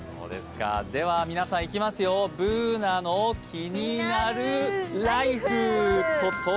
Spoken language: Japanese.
では、皆さんいきますよ、「ＢｏｏｎａのキニナルＬＩＦＥ」。